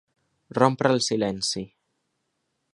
Rompre el silenci.